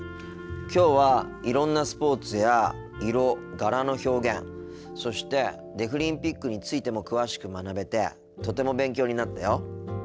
きょうはいろんなスポーツや色柄の表現そしてデフリンピックについても詳しく学べてとても勉強になったよ。